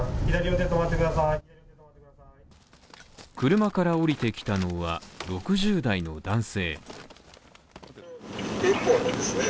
車から降りてきたのは６０代の男性。